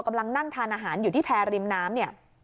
กำลังนั่งทานอาหารอยู่ที่แพรริมน้ำเนี่ย